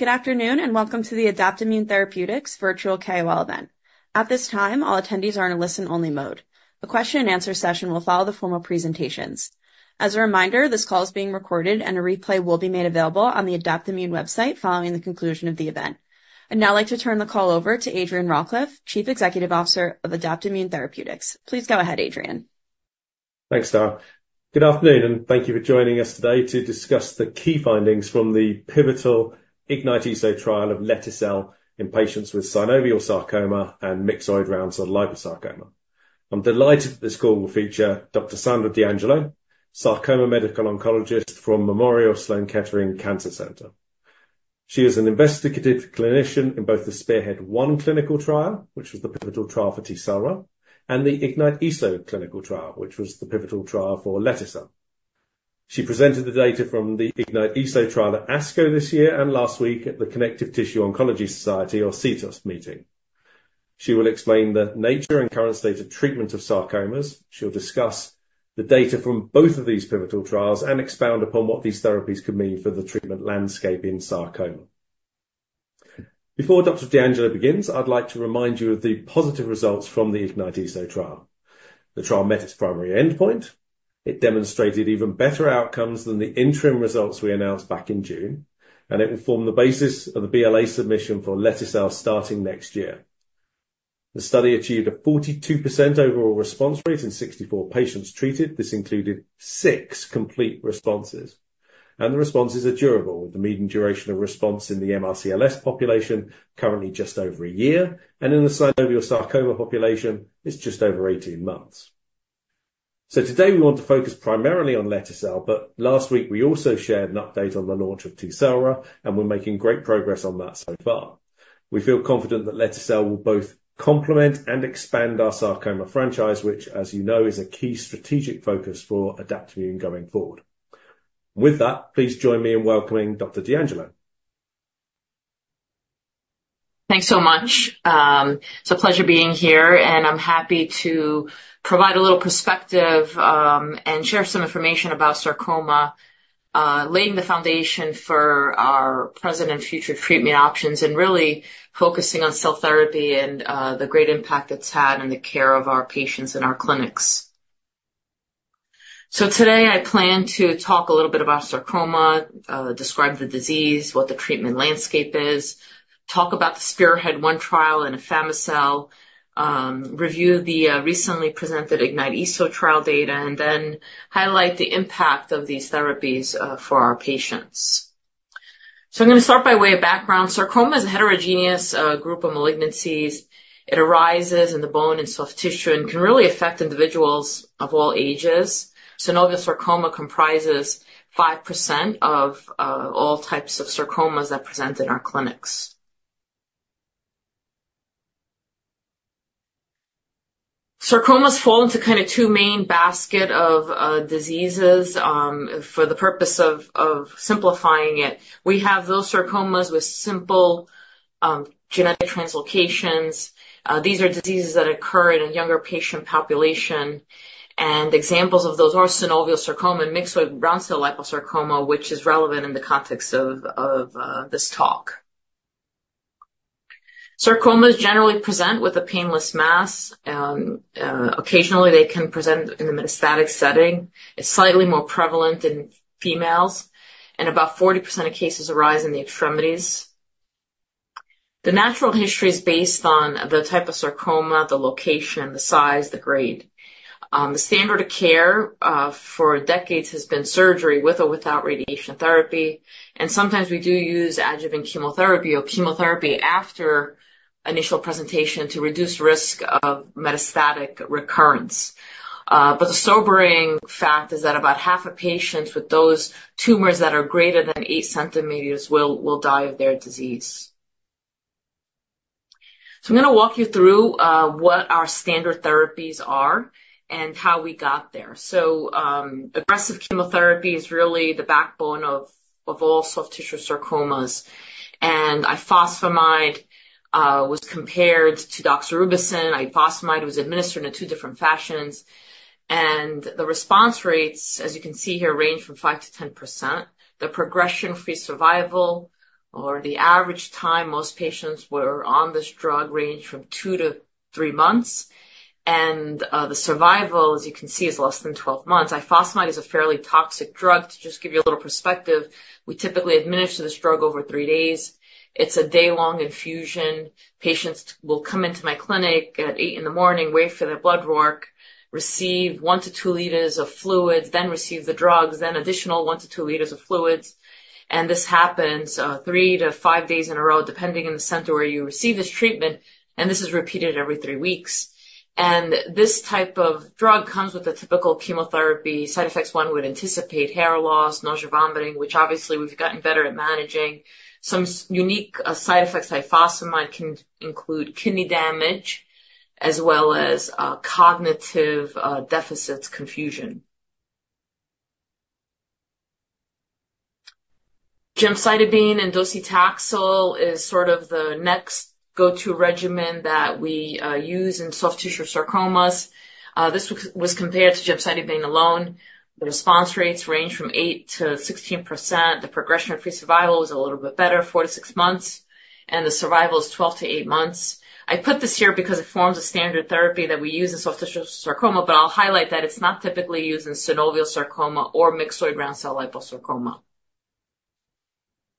Good afternoon and welcome to the Adaptimmune Therapeutics virtual KOL event. At this time, all attendees are in a listen-only mode. The question-and-answer session will follow the formal presentations. As a reminder, this call is being recorded and a replay will be made available on the Adaptimmune website following the conclusion of the event. I'd now like to turn the call over to Adrian Rawcliffe, Chief Executive Officer of Adaptimmune Therapeutics. Please go ahead, Adrian. Thanks, Dar. Good afternoon and thank you for joining us today to discuss the key findings from the pivotal IGNITE-ESO trial of lete-cel in patients with synovial sarcoma and myxoid round cell liposarcoma. I'm delighted that this call will feature Dr. Sandra D'Angelo, sarcoma medical oncologist from Memorial Sloan Kettering Cancer Center. She is an investigative clinician in both the SPEARHEAD-1 clinical trial, which was the pivotal trial for Tecelra, and the IGNITE-ESO clinical trial, which was the pivotal trial for lete-cel. She presented the data from the IGNITE-ESO trial at ASCO this year and last week at the Connective Tissue Oncology Society, or CTOS, meeting. She will explain the nature and current state of treatment of sarcomas. She'll discuss the data from both of these pivotal trials and expound upon what these therapies could mean for the treatment landscape in sarcoma. Before Dr. D'Angelo begins, I'd like to remind you of the positive results from the IGNITE-ESO trial. The trial met its primary endpoint. It demonstrated even better outcomes than the interim results we announced back in June, and it will form the basis of the BLA submission for lete-cel starting next year. The study achieved a 42% overall response rate in 64 patients treated. This included six complete responses, and the responses are durable, with the median duration of response in the MRCLS population currently just over a year, and in the synovial sarcoma population, it's just over 18 months, so today we want to focus primarily on lete-cel, but last week we also shared an update on the launch of Tecelra, and we're making great progress on that so far. We feel confident that lete-cel will both complement and expand our sarcoma franchise, which, as you know, is a key strategic focus for Adaptimmune going forward. With that, please join me in welcoming Dr. D'Angelo. Thanks so much. It's a pleasure being here, and I'm happy to provide a little perspective and share some information about sarcoma, laying the foundation for our present and future treatment options, and really focusing on cell therapy and the great impact it's had on the care of our patients in our clinics. So today I plan to talk a little bit about sarcoma, describe the disease, what the treatment landscape is, talk about the SPEARHEAD-1 trial and afami-cel, review the recently presented IGNITE-ESO trial data, and then highlight the impact of these therapies for our patients. So I'm going to start by way of background. Sarcoma is a heterogeneous group of malignancies. It arises in the bone and soft tissue and can really affect individuals of all ages. Synovial sarcoma comprises 5% of all types of sarcomas that present in our clinics. Sarcomas fall into kind of two main baskets of diseases. For the purpose of simplifying it, we have those sarcomas with simple genetic translocations. These are diseases that occur in a younger patient population, and examples of those are synovial sarcoma, myxoid round cell liposarcoma, which is relevant in the context of this talk. Sarcomas generally present with a painless mass. Occasionally, they can present in the metastatic setting. It's slightly more prevalent in females, and about 40% of cases arise in the extremities. The natural history is based on the type of sarcoma, the location, the size, the grade. The standard of care for decades has been surgery with or without radiation therapy, and sometimes we do use adjuvant chemotherapy or chemotherapy after initial presentation to reduce risk of metastatic recurrence. But the sobering fact is that about half of patients with those tumors that are greater than 8 cm will die of their disease. So I'm going to walk you through what our standard therapies are and how we got there. So aggressive chemotherapy is really the backbone of all soft tissue sarcomas. And ifosfamide was compared to doxorubicin. Ifosfamide was administered in two different fashions. And the response rates, as you can see here, range from 5%-10%. The progression-free survival, or the average time most patients were on this drug, ranged from two to three months. And the survival, as you can see, is less than 12 months. Ifosfamide is a fairly toxic drug, to just give you a little perspective, we typically administer this drug over three days. It's a day-long infusion. Patients will come into my clinic at 8:00 A.M., wait for their blood work, receive one to two liters of fluids, then receive the drugs, then additional one to two liters of fluids. And this happens three to five days in a row, depending on the center where you receive this treatment. And this is repeated every three weeks. And this type of drug comes with the typical chemotherapy side effects one would anticipate: hair loss, nausea, vomiting, which obviously we've gotten better at managing. Some unique side effects of ifosfamide can include kidney damage as well as cognitive deficits, confusion. Gemcitabine and docetaxel is sort of the next go-to regimen that we use in soft tissue sarcomas. This was compared to gemcitabine alone. The response rates range from 8%-16%. The progression-free survival is a little bit better, four to six months, and the survival is 12 to eight months. I put this here because it forms a standard therapy that we use in soft tissue sarcoma, but I'll highlight that it's not typically used in synovial sarcoma or myxoid round cell liposarcoma,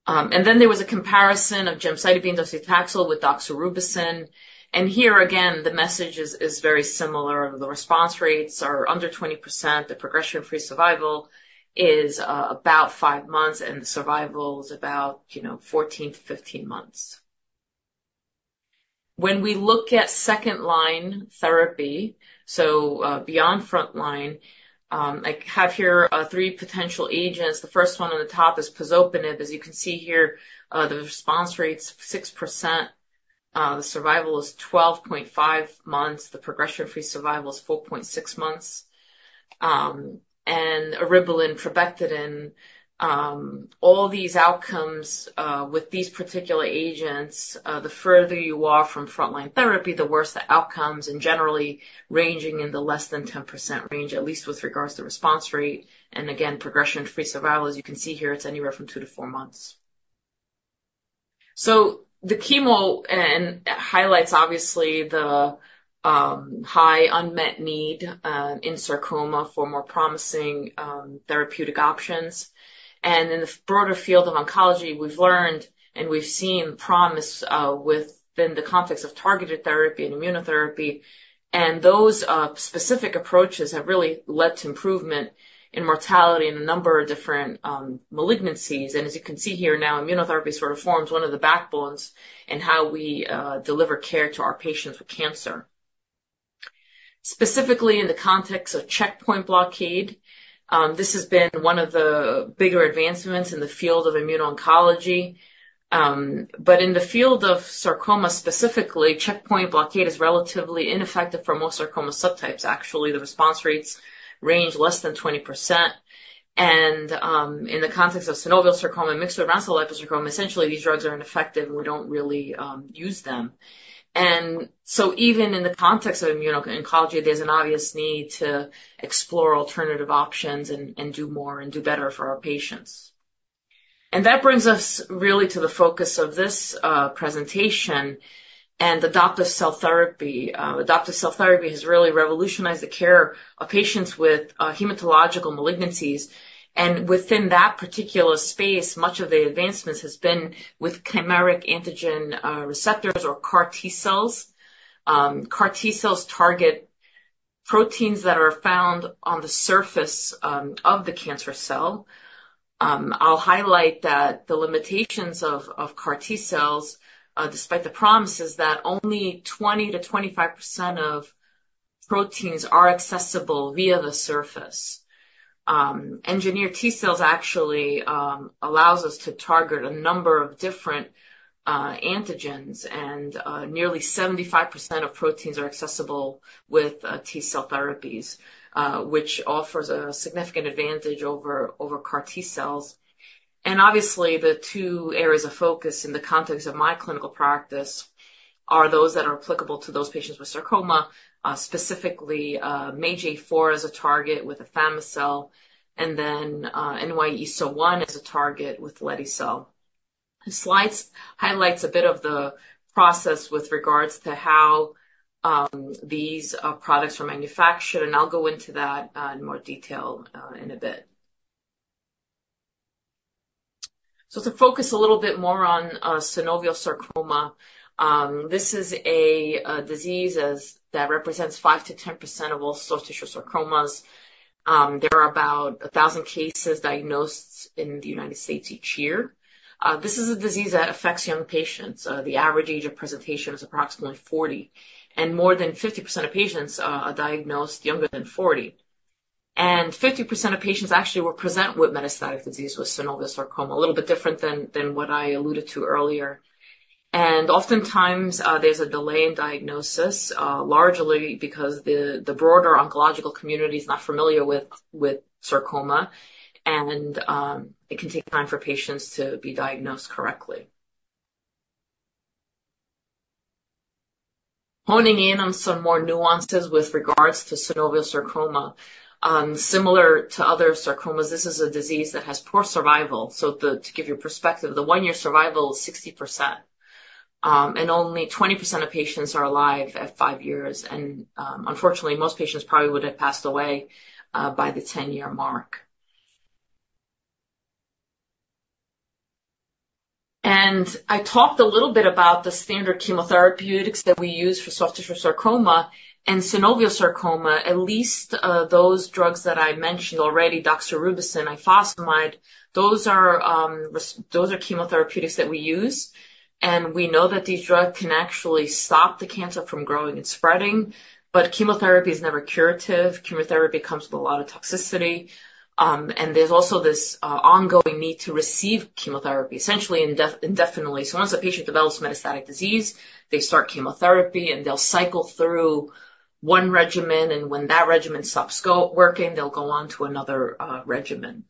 and then there was a comparison of gemcitabine, docetaxel with doxorubicin, and here, again, the message is very similar. The response rates are under 20%. The progression-free survival is about five months, and the survival is about 14 to 15 months. When we look at second-line therapy, so beyond frontline, I have here three potential agents. The first one on the top is pazopanib. As you can see here, the response rate's 6%. The survival is 12.5 months. The progression-free survival is 4.6 months. Eribulin, trabectedin, all these outcomes with these particular agents, the further you are from frontline therapy, the worse the outcomes, and generally ranging in the less than 10% range, at least with regards to response rate. Again, progression-free survival, as you can see here, it's anywhere from two to four months. The chemo highlights, obviously, the high unmet need in sarcoma for more promising therapeutic options. In the broader field of oncology, we've learned and we've seen promise within the context of targeted therapy and immunotherapy. Those specific approaches have really led to improvement in mortality in a number of different malignancies. As you can see here now, immunotherapy sort of forms one of the backbones in how we deliver care to our patients with cancer. Specifically, in the context of checkpoint blockade, this has been one of the bigger advancements in the field of immuno-oncology. But in the field of sarcoma specifically, checkpoint blockade is relatively ineffective for most sarcoma subtypes, actually. The response rates range less than 20%. And in the context of synovial sarcoma and myxoid round cell liposarcoma, essentially, these drugs are ineffective, and we don't really use them. And so even in the context of immuno-oncology, there's an obvious need to explore alternative options and do more and do better for our patients. And that brings us really to the focus of this presentation and the adoptive cell therapy. Adoptive cell therapy has really revolutionized the care of patients with hematological malignancies. And within that particular space, much of the advancements has been with chimeric antigen receptors or CAR T cells. CAR T cells target proteins that are found on the surface of the cancer cell. I'll highlight that the limitations of CAR T cells, despite the promise, is that only 20%-25% of proteins are accessible via the surface. Engineered T cells actually allow us to target a number of different antigens, and nearly 75% of proteins are accessible with T cell therapies, which offers a significant advantage over CAR T cells. And obviously, the two areas of focus in the context of my clinical practice are those that are applicable to those patients with sarcoma, specifically MAGE-A4 as a target with afami-cel, and then NY-ESO-1 as a target with lete-cel. The slides highlight a bit of the process with regards to how these products are manufactured, and I'll go into that in more detail in a bit. To focus a little bit more on synovial sarcoma, this is a disease that represents 5%-10% of all soft tissue sarcomas. There are about 1,000 cases diagnosed in the United States each year. This is a disease that affects young patients. The average age of presentation is approximately 40, and more than 50% of patients are diagnosed younger than 40. And 50% of patients actually will present with metastatic disease with synovial sarcoma, a little bit different than what I alluded to earlier. And oftentimes, there's a delay in diagnosis, largely because the broader oncological community is not familiar with sarcoma, and it can take time for patients to be diagnosed correctly. Honing in on some more nuances with regards to synovial sarcoma, similar to other sarcomas, this is a disease that has poor survival. To give you a perspective, the one-year survival is 60%, and only 20% of patients are alive at five years. And unfortunately, most patients probably would have passed away by the 10-year mark. And I talked a little bit about the standard chemotherapeutics that we use for soft tissue sarcoma and synovial sarcoma, at least those drugs that I mentioned already, doxorubicin, ifosfamide, those are chemotherapeutics that we use. And we know that these drugs can actually stop the cancer from growing and spreading, but chemotherapy is never curative. Chemotherapy comes with a lot of toxicity. And there's also this ongoing need to receive chemotherapy, essentially indefinitely. So once a patient develops metastatic disease, they start chemotherapy, and they'll cycle through one regimen. And when that regimen stops working, they'll go on to another regimen.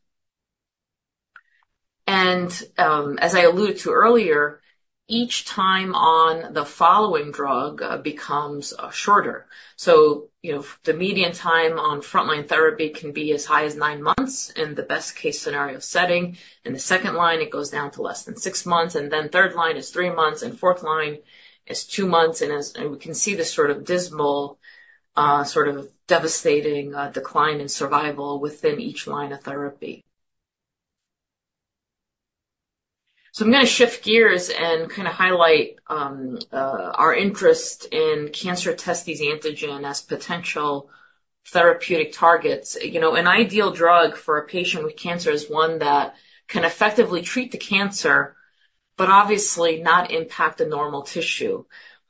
And as I alluded to earlier, each time on the following drug becomes shorter. So the median time on frontline therapy can be as high as nine months in the best-case scenario setting. In the second line, it goes down to less than six months. And then third line is three months, and fourth line is two months. And we can see this sort of dismal, sort of devastating decline in survival within each line of therapy. So I'm going to shift gears and kind of highlight our interest in cancer testis antigen as potential therapeutic targets. An ideal drug for a patient with cancer is one that can effectively treat the cancer, but obviously not impact the normal tissue.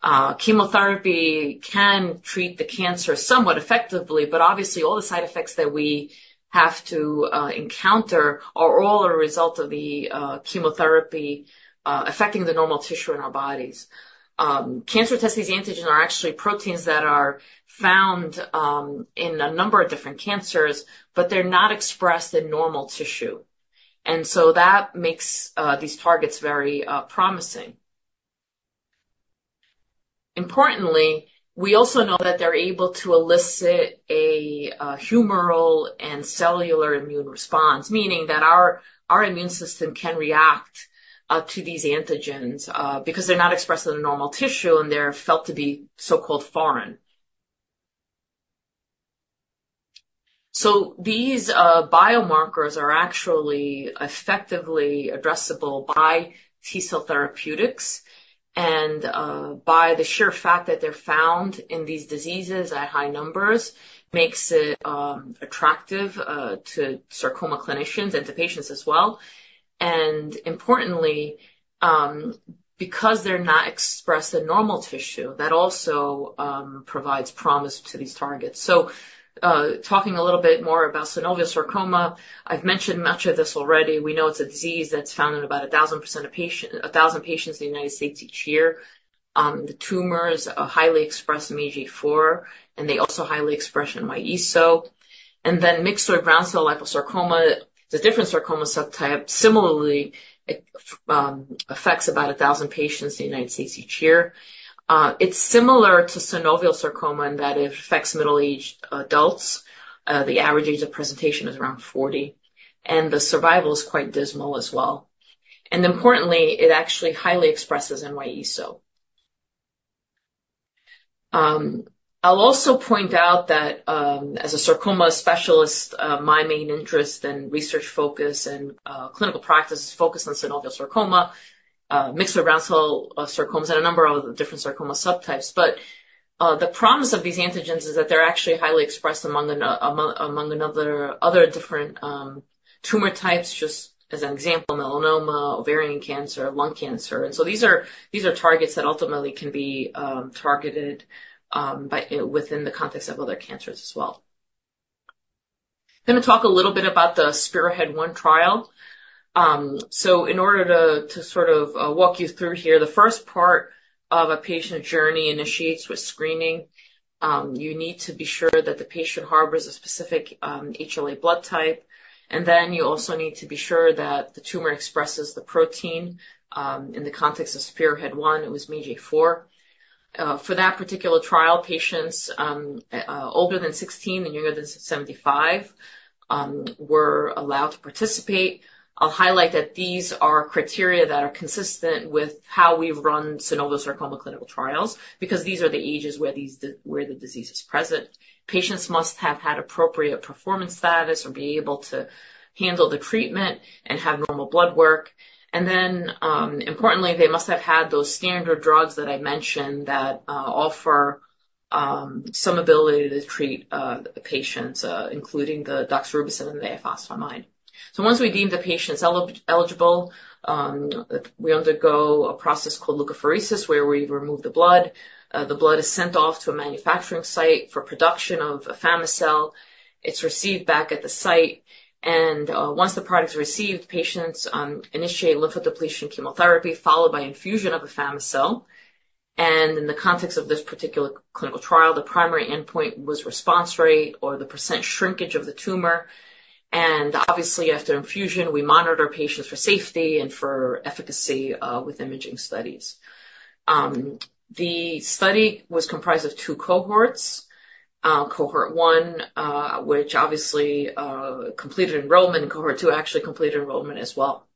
Chemotherapy can treat the cancer somewhat effectively, but obviously all the side effects that we have to encounter are all a result of the chemotherapy affecting the normal tissue in our bodies. Cancer testis antigens are actually proteins that are found in a number of different cancers, but they're not expressed in normal tissue. And so that makes these targets very promising. Importantly, we also know that they're able to elicit a humoral and cellular immune response, meaning that our immune system can react to these antigens because they're not expressed in the normal tissue, and they're felt to be so-called foreign. So these biomarkers are actually effectively addressable by T-cell therapeutics. And by the sheer fact that they're found in these diseases at high numbers makes it attractive to sarcoma clinicians and to patients as well. And importantly, because they're not expressed in normal tissue, that also provides promise to these targets. So talking a little bit more about synovial sarcoma, I've mentioned much of this already. We know it's a disease that's found in about 1,000 patients in the United States each year. The tumors are highly expressed in MAGE-A4, and they also highly express in NY-ESO-1. Then myxoid round cell liposarcoma, it's a different sarcoma subtype. Similarly, it affects about 1,000 patients in the United States each year. It's similar to synovial sarcoma in that it affects middle-aged adults. The average age of presentation is around 40, and the survival is quite dismal as well. Importantly, it actually highly expresses NY-ESO-1. I'll also point out that as a sarcoma specialist, my main interest and research focus and clinical practice is focused on synovial sarcoma, myxoid round cell sarcomas, and a number of different sarcoma subtypes. The promise of these antigens is that they're actually highly expressed among other different tumor types, just as an example, melanoma, ovarian cancer, lung cancer. And so these are targets that ultimately can be targeted within the context of other cancers as well. I'm going to talk a little bit about the SPEARHEAD-1 trial. So in order to sort of walk you through here, the first part of a patient journey initiates with screening. You need to be sure that the patient harbors a specific HLA blood type. And then you also need to be sure that the tumor expresses the protein in the context of SPEARHEAD-1. It was MAGE-A4. For that particular trial, patients older than 16 and younger than 75 were allowed to participate. I'll highlight that these are criteria that are consistent with how we've run synovial sarcoma clinical trials because these are the ages where the disease is present. Patients must have had appropriate performance status or be able to handle the treatment and have normal blood work. And then importantly, they must have had those standard drugs that I mentioned that offer some ability to treat patients, including the doxorubicin and the ifosfamide. So once we deem the patients eligible, we undergo a process called leukapheresis where we remove the blood. The blood is sent off to a manufacturing site for production of afami-cel. It's received back at the site. And once the product's received, patients initiate lymphodepletion chemotherapy followed by infusion of afami-cel. And in the context of this particular clinical trial, the primary endpoint was response rate or the percent shrinkage of the tumor. And obviously, after infusion, we monitor patients for safety and for efficacy with imaging studies. The study was comprised of two cohorts, cohort I, which obviously completed enrollment, and cohort II actually completed enrollment as well.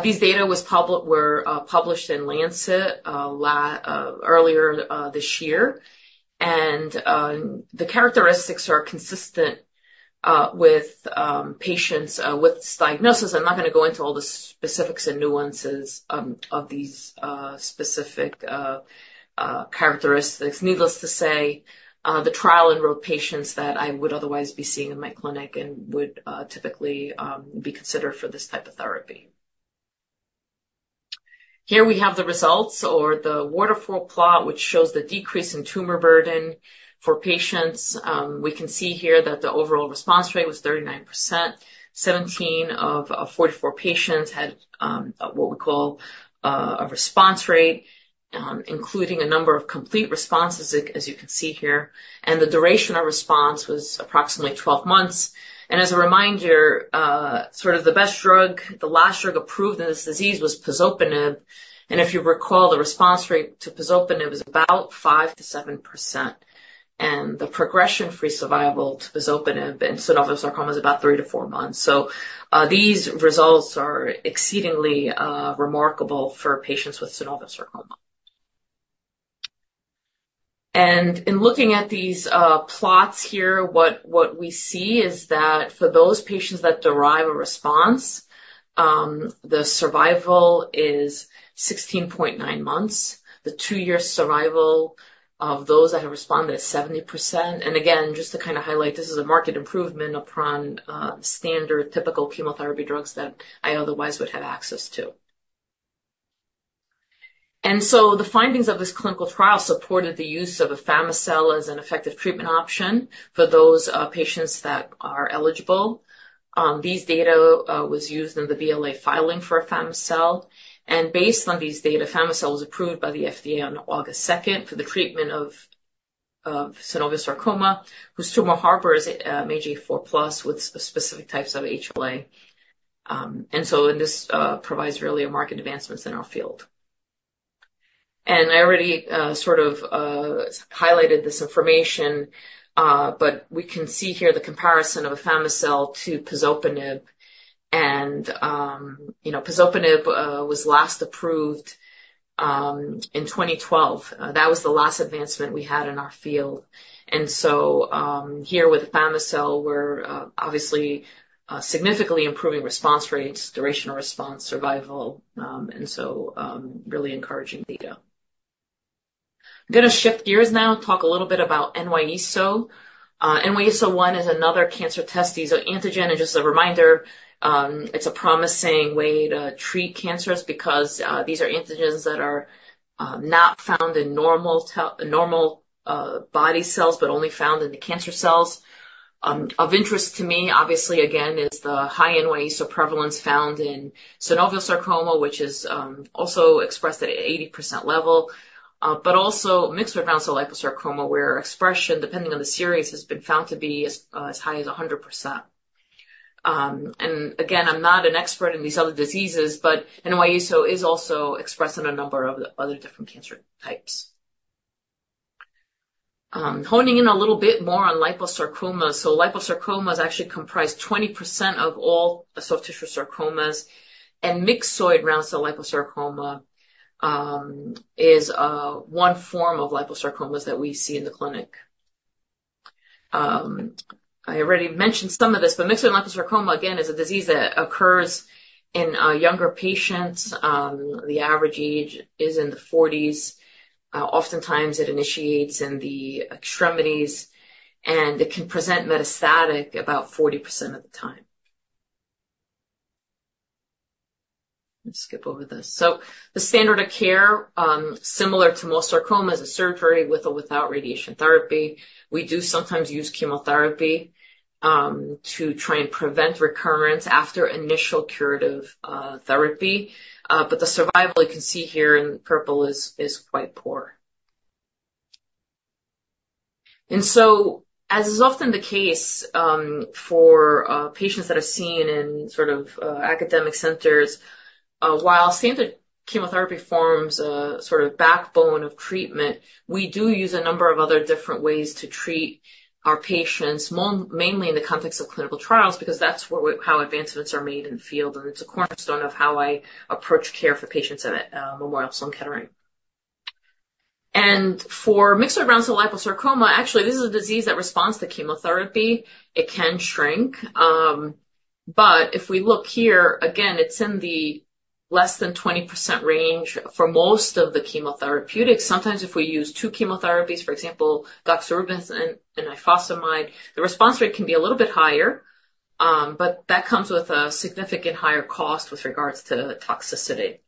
These data were published in Lancet earlier this year. The characteristics are consistent with patients with this diagnosis. I'm not going to go into all the specifics and nuances of these specific characteristics. Needless to say, the trial enrolled patients that I would otherwise be seeing in my clinic and would typically be considered for this type of therapy. Here we have the results or the waterfall plot, which shows the decrease in tumor burden for patients. We can see here that the overall response rate was 39%. 17 of 44 patients had what we call a response rate, including a number of complete responses, as you can see here. The duration of response was approximately 12 months. As a reminder, sort of the best drug, the last drug approved in this disease was pazopanib. If you recall, the response rate to pazopanib is about 5%-7%. The progression-free survival to pazopanib and synovial sarcoma is about three to four months. These results are exceedingly remarkable for patients with synovial sarcoma. In looking at these plots here, what we see is that for those patients that derive a response, the survival is 16.9 months. The two-year survival of those that have responded is 70%. Again, just to kind of highlight, this is a marked improvement upon standard typical chemotherapy drugs that I otherwise would have access to. The findings of this clinical trial supported the use of afami-cel as an effective treatment option for those patients that are eligible. These data were used in the BLA filing for afami-cel. Based on these data, afami-cel was approved by the FDA on August 2nd for the treatment of synovial sarcoma, whose tumor harbors MAGE-A4 plus with specific types of HLA. And so this provides really a marked advancement in our field. And I already sort of highlighted this information, but we can see here the comparison of afami-cel to pazopanib. And pazopanib was last approved in 2012. That was the last advancement we had in our field. And so here with afami-cel, we're obviously significantly improving response rates, duration of response, survival, and so really encouraging data. I'm going to shift gears now and talk a little bit about NY-ESO-1. NY-ESO-1 is another cancer testis antigen and just a reminder, it's a promising way to treat cancers because these are antigens that are not found in normal body cells, but only found in the cancer cells. Of interest to me, obviously, again, is the high NY-ESO prevalence found in synovial sarcoma, which is also expressed at an 80% level, but also myxoid round cell liposarcoma, where expression, depending on the series, has been found to be as high as 100%. And again, I'm not an expert in these other diseases, but NY-ESO is also expressed in a number of other different cancer types. Honing in a little bit more on liposarcoma. So liposarcomas actually comprise 20% of all soft tissue sarcomas, and myxoid round cell liposarcoma is one form of liposarcomas that we see in the clinic. I already mentioned some of this, but myxoid liposarcoma, again, is a disease that occurs in younger patients. The average age is in the 40s. Oftentimes, it initiates in the extremities, and it can present metastatic about 40% of the time. Let's skip over this. The standard of care, similar to most sarcomas, is surgery with or without radiation therapy. We do sometimes use chemotherapy to try and prevent recurrence after initial curative therapy. The survival, you can see here in purple, is quite poor. As is often the case for patients that are seen in sort of academic centers, while standard chemotherapy forms a sort of backbone of treatment, we do use a number of other different ways to treat our patients, mainly in the context of clinical trials, because that's how advancements are made in the field. It's a cornerstone of how I approach care for patients at Memorial Sloan Kettering. For myxoid round cell liposarcoma, actually, this is a disease that responds to chemotherapy. It can shrink. If we look here, again, it's in the less than 20% range for most of the chemotherapeutics. Sometimes if we use two chemotherapies, for example, doxorubicin and Ifosfamide, the response rate can be a little bit higher, but that comes with a significant higher cost with regards to toxicity,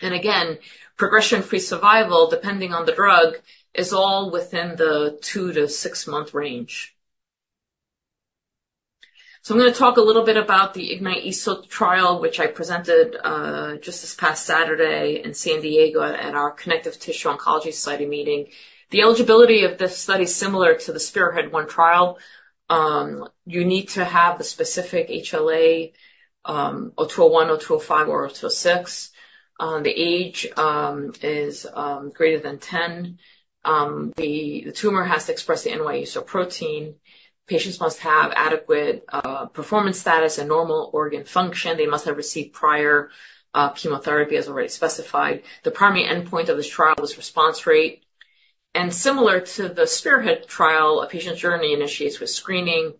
and again, progression-free survival, depending on the drug, is all within the two to six-month range. I'm going to talk a little bit about the IGNITE-ESO trial, which I presented just this past Saturday in San Diego at our Connective Tissue Oncology Society meeting. The eligibility of this study is similar to the SPEARHEAD-1 trial. You need to have the specific HLA, A*02:01, A*02:05, or A*02:06. The age is greater than 10. The tumor has to express the NY-ESO protein. Patients must have adequate performance status and normal organ function. They must have received prior chemotherapy, as already specified. The primary endpoint of this trial was response rate. Similar to the SPEARHEAD trial, a patient's journey initiates with screening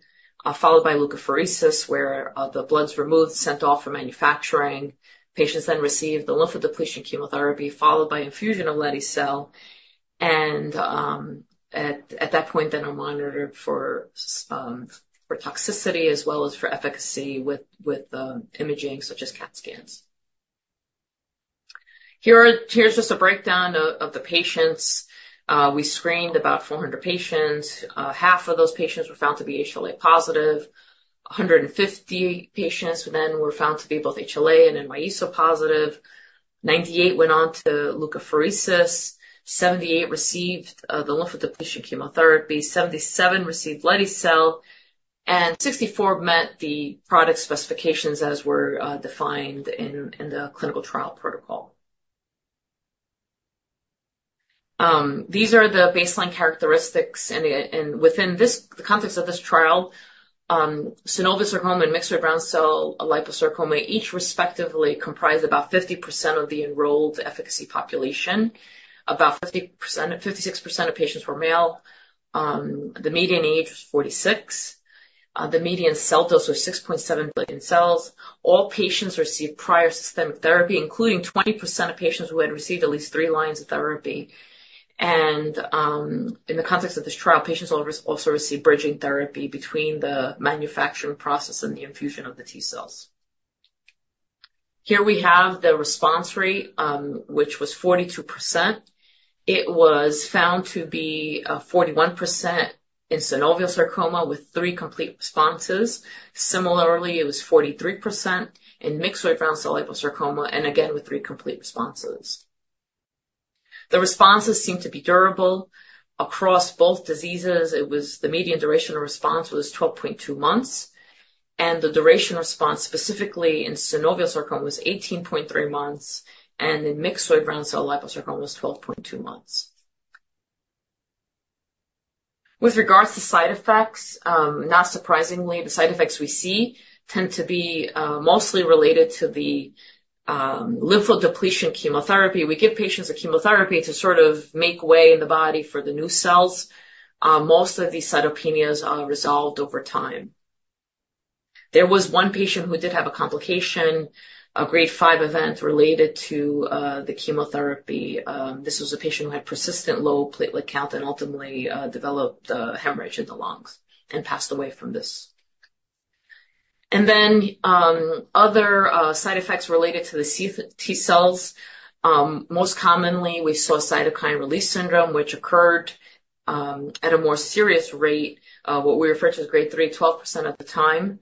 followed by leukapheresis, where the blood's removed, sent off for manufacturing. Patients then receive the lymphodepletion chemotherapy followed by infusion of lete-cel. At that point, then we're monitored for toxicity as well as for efficacy with imaging such as CT scans. Here's just a breakdown of the patients. We screened about 400 patients. Half of those patients were found to be HLA positive. 150 patients then were found to be both HLA and NY-ESO positive. 98 went on to leukapheresis. 78 received the lymphodepletion chemotherapy. 77 received lete-cel. 64 met the product specifications as were defined in the clinical trial protocol. These are the baseline characteristics. Within the context of this trial, synovial sarcoma and myxoid round cell liposarcoma each respectively comprised about 50% of the enrolled efficacy population. About 56% of patients were male. The median age was 46. The median cell dose was 6.7 billion cells. All patients received prior systemic therapy, including 20% of patients who had received at least three lines of therapy. In the context of this trial, patients also received bridging therapy between the manufacturing process and the infusion of the T cells. Here we have the response rate, which was 42%. It was found to be 41% in synovial sarcoma with three complete responses. Similarly, it was 43% in myxoid round cell liposarcoma, and again with three complete responses. The responses seemed to be durable across both diseases. The median duration of response was 12.2 months. The duration of response specifically in synovial sarcoma was 18.3 months. In myxoid round cell liposarcoma was 12.2 months. With regards to side effects, not surprisingly, the side effects we see tend to be mostly related to the lymphodepletion chemotherapy. We give patients a chemotherapy to sort of make way in the body for the new cells. Most of these cytopenias are resolved over time. There was one patient who did have a complication, a grade 5 event related to the chemotherapy. This was a patient who had persistent low platelet count and ultimately developed hemorrhage in the lungs and passed away from this, and then other side effects related to the T cells. Most commonly, we saw cytokine release syndrome, which occurred at a more serious rate, what we refer to as grade 3, 12% of the time.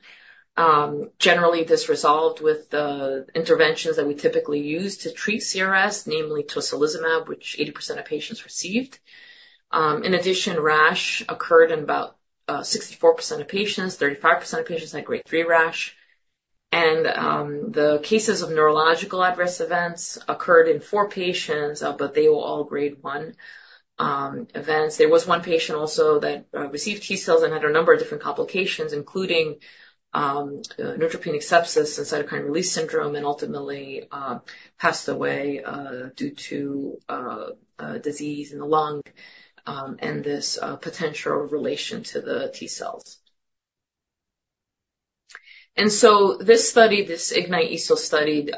Generally, this resolved with the interventions that we typically use to treat CRS, namely tocilizumab, which 80% of patients received. In addition, rash occurred in about 64% of patients. 35% of patients had grade three rash. The cases of neurological adverse events occurred in four patients, but they were all grade one events. There was one patient also that received T cells and had a number of different complications, including neutropenic sepsis and cytokine release syndrome, and ultimately passed away due to disease in the lung and this potential relation to the T cells. This study, this IGNITE-ESO study,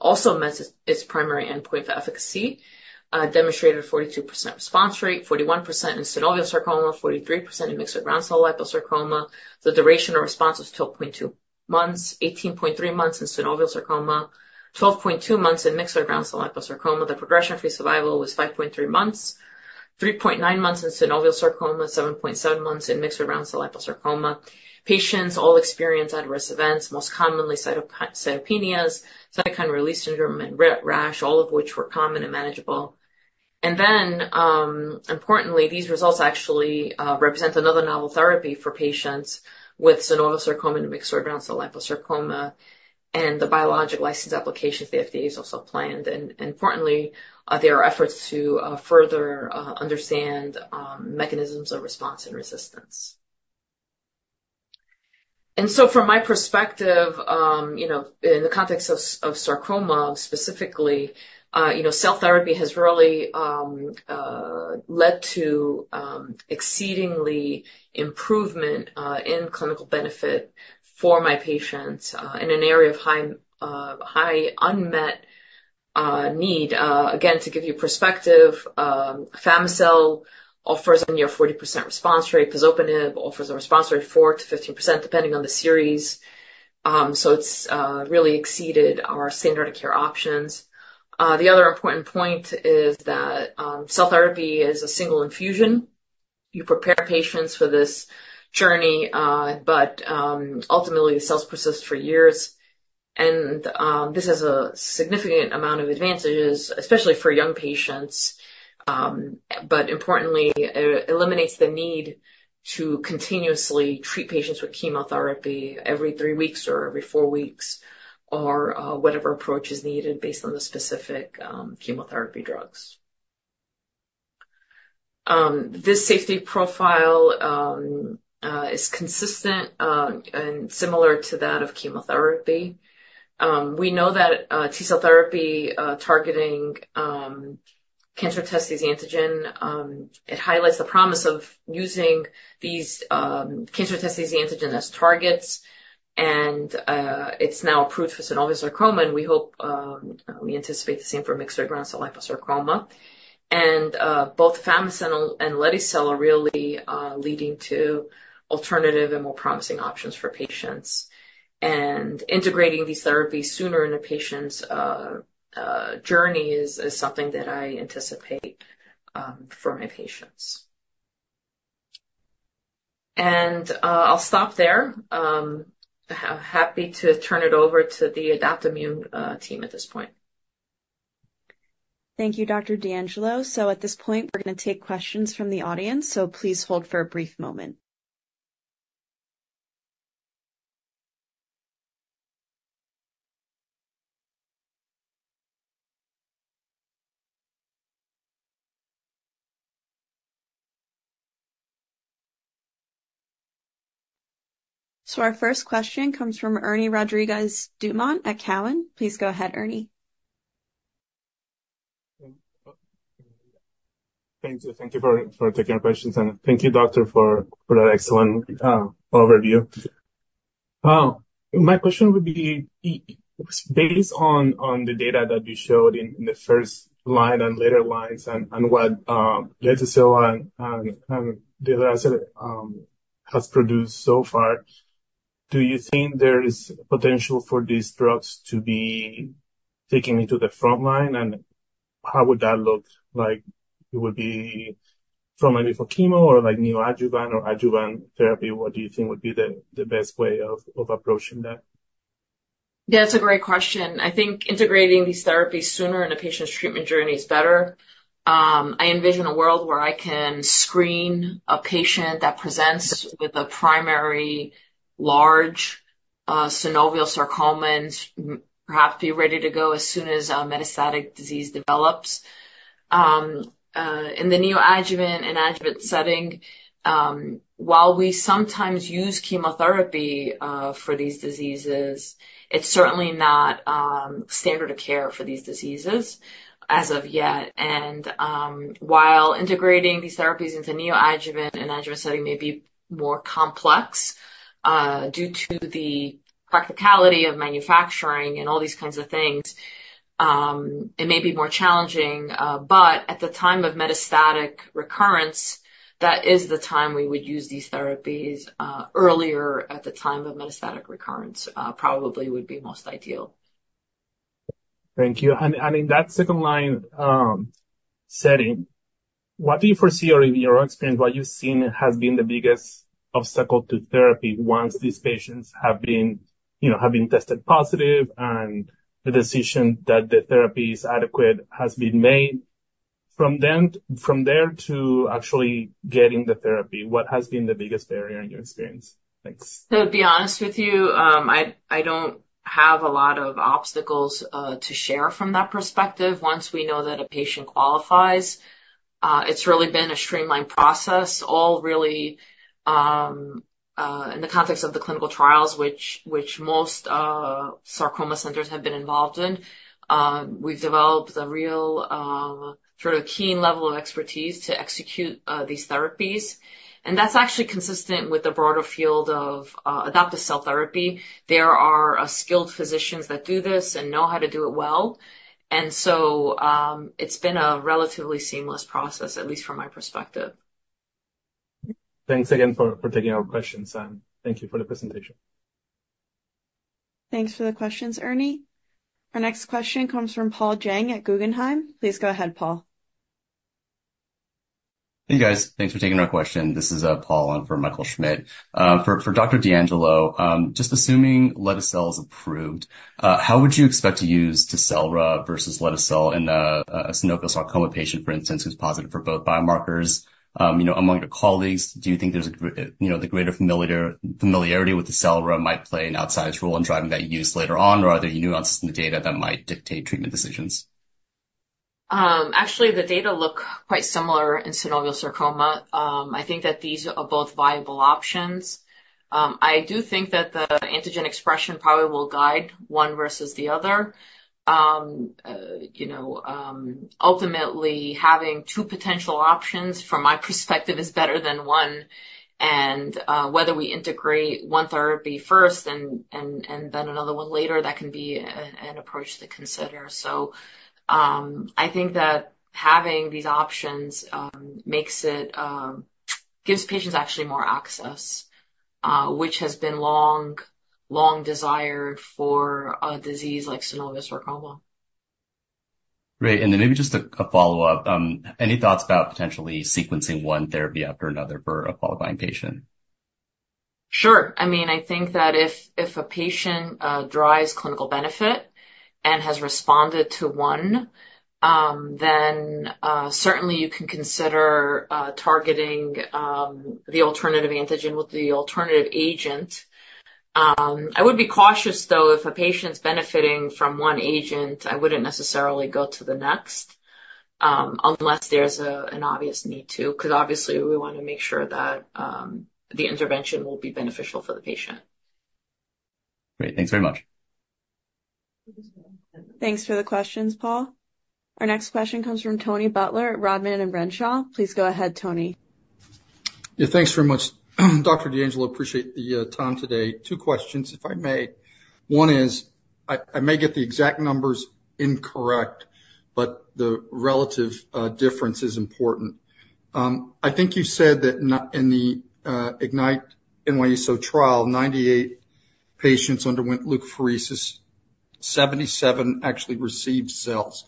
also met its primary endpoint for efficacy, demonstrated a 42% response rate, 41% in synovial sarcoma, 43% in myxoid round cell liposarcoma. The duration of response was 12.2 months, 18.3 months in synovial sarcoma, 12.2 months in myxoid round cell liposarcoma. The progression-free survival was 5.3 months, 3.9 months in synovial sarcoma, 7.7 months in myxoid round cell liposarcoma. Patients all experienced adverse events, most commonly cytopenias, cytokine release syndrome, and rash, all of which were common and manageable. And then, importantly, these results actually represent another novel therapy for patients with synovial sarcoma and myxoid round cell liposarcoma. And the biologics license applications the FDA has also planned. And importantly, there are efforts to further understand mechanisms of response and resistance. And so from my perspective, in the context of sarcoma specifically, cell therapy has really led to exceedingly improvement in clinical benefit for my patients in an area of high unmet need. Again, to give you perspective, afami-cel offers a near 40% response rate. Pazopanib offers a response rate of 4%-15%, depending on the series. So it's really exceeded our standard of care options. The other important point is that cell therapy is a single infusion. You prepare patients for this journey, but ultimately, the cells persist for years. And this has a significant amount of advantages, especially for young patients. But importantly, it eliminates the need to continuously treat patients with chemotherapy every three weeks or every four weeks or whatever approach is needed based on the specific chemotherapy drugs. This safety profile is consistent and similar to that of chemotherapy. We know that T cell therapy targeting cancer testis antigen, it highlights the promise of using these cancer testis antigen as targets. And it's now approved for synovial sarcoma. And we hope we anticipate the same for myxoid round cell liposarcoma. And both afami-cel and lete-cel are really leading to alternative and more promising options for patients. And integrating these therapies sooner in a patient's journey is something that I anticipate for my patients. And I'll stop there. I'm happy to turn it over to the Adaptimmune team at this point. Thank you, Dr. D'Angelo. So at this point, we're going to take questions from the audience. So please hold for a brief moment. So our first question comes from Ernie Rodriguez-Dumont at Cowen. Please go ahead, Ernie. Thank you for taking our questions. And thank you, doctor, for that excellent overview. My question would be, based on the data that you showed in the first line and later lines and what lete-cel and Tecelra has produced so far, do you think there is potential for these drugs to be taken into the front line? And how would that look like? It would be front line for chemo or neoadjuvant or adjuvant therapy? What do you think would be the best way of approaching that? Yeah, that's a great question. I think integrating these therapies sooner in a patient's treatment journey is better. I envision a world where I can screen a patient that presents with a primary large synovial sarcoma and perhaps be ready to go as soon as metastatic disease develops. In the neoadjuvant and adjuvant setting, while we sometimes use chemotherapy for these diseases, it's certainly not standard of care for these diseases as of yet, and while integrating these therapies into neoadjuvant and adjuvant setting may be more complex due to the practicality of manufacturing and all these kinds of things, it may be more challenging, but at the time of metastatic recurrence, that is the time we would use these therapies. Earlier at the time of metastatic recurrence probably would be most ideal. Thank you. In that second line setting, what do you foresee or in your own experience, what you've seen has been the biggest obstacle to therapy once these patients have been tested positive and the decision that the therapy is adequate has been made from there to actually getting the therapy? What has been the biggest barrier in your experience? Thanks. To be honest with you, I don't have a lot of obstacles to share from that perspective. Once we know that a patient qualifies, it's really been a streamlined process, all really in the context of the clinical trials, which most sarcoma centers have been involved in. We've developed a real sort of keen level of expertise to execute these therapies. That's actually consistent with the broader field of adoptive cell therapy. There are skilled physicians that do this and know how to do it well. And so it's been a relatively seamless process, at least from my perspective. Thanks again for taking our questions. And thank you for the presentation. Thanks for the questions, Ernie. Our next question comes from Paul Jeng at Guggenheim. Please go ahead, Paul. Hey, guys. Thanks for taking our question. This is Paul for Michael Schmidt. For Dr. D'Angelo, just assuming lete-cel is approved, how would you expect to use Tecelra versus lete-cel in a synovial sarcoma patient, for instance, who's positive for both biomarkers? Among your colleagues, do you think there's the greater familiarity with Tecelra might play an outsized role in driving that use later on, or are there nuances in the data that might dictate treatment decisions? Actually, the data look quite similar in synovial sarcoma. I think that these are both viable options. I do think that the antigen expression probably will guide one versus the other. Ultimately, having two potential options, from my perspective, is better than one. And whether we integrate one therapy first and then another one later, that can be an approach to consider. So I think that having these options gives patients actually more access, which has been a long, long desire for a disease like synovial sarcoma. Great. And then maybe just a follow-up. Any thoughts about potentially sequencing one therapy after another for a qualifying patient? Sure. I mean, I think that if a patient derives clinical benefit and has responded to one, then certainly you can consider targeting the alternative antigen with the alternative agent. I would be cautious, though. If a patient's benefiting from one agent, I wouldn't necessarily go to the next unless there's an obvious need to, because obviously, we want to make sure that the intervention will be beneficial for the patient. Great. Thanks very much. Thanks for the questions, Paul. Our next question comes from Tony Butler, Rodman & Renshaw. Please go ahead, Tony. Yeah, thanks very much. Dr. D'Angelo, appreciate the time today. Two questions, if I may. One is, I may get the exact numbers incorrect, but the relative difference is important. I think you said that in the IGNITE-ESO trial, 98 patients underwent leukapheresis, 77 actually received cells,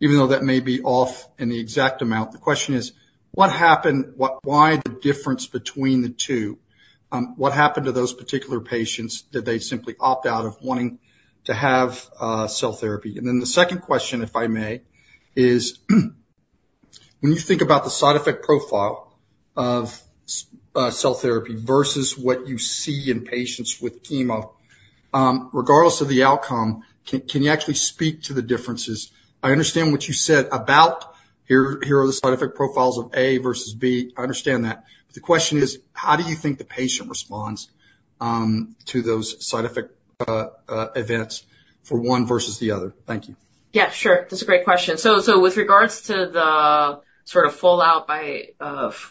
even though that may be off in the exact amount. The question is, what happened? Why the difference between the two? What happened to those particular patients? Did they simply opt out of wanting to have cell therapy? And then the second question, if I may, is, when you think about the side effect profile of cell therapy versus what you see in patients with chemo, regardless of the outcome, can you actually speak to the differences? I understand what you said about, "Here are the side effect profiles of A versus B." I understand that. The question is, how do you think the patient responds to those side effect events for one versus the other? Thank you. Yeah, sure. That's a great question. So with regards to the sort of fallout